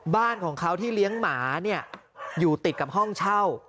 บ้านของเขาที่เลี้ยงหมาเนี่ยอยู่ติดกับห้องเช่า